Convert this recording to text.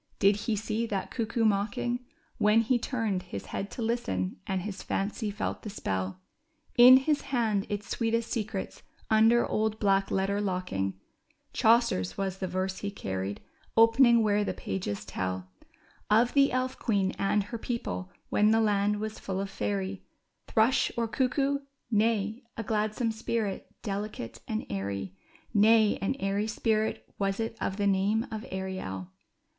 did he see that cuckoo mocking When he turned his head to listen and his fancy felt the spell ? In his hand — its sweetest secrets un der old black letter locking — Chaucer's was the verse he carried, opening where the pages tell Of the elf queen and her people when the land was full of fairy. Thrush, or cuc koo ? Nay, a gladsome spirit, delicate and airy; Nay, an airy spirit was it of the name of Ariel